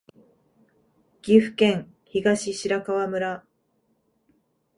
岐阜県東白川村